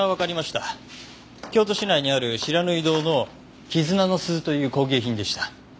京都市内にある不知火堂の「絆の鈴」という工芸品でした。